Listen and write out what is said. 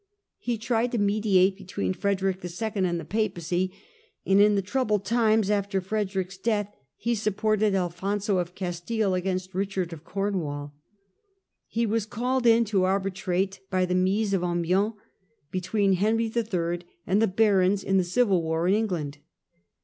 He tried to mediate between Frederick 11. and the Papacy, and in the troubled times after Frederick's death he supported Alfonso of Castile against Eichard of Cornwall. He was called in to arbitrate by the Mise of Amiens be tween Henry III. and the barons in the civil war in England.